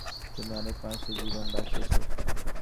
তুমি অনেক মানুষের জীবন বাঁচিয়েছো।